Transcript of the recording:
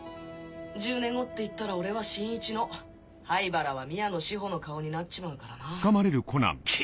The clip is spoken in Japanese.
１０年後っていったら俺は新一の灰原は宮野志保の顔になっちまうからな